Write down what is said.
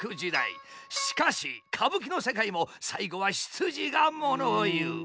しかし歌舞伎の世界も最後は出自が物を言う。